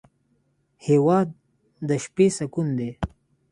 هېواد د شپې سکون دی.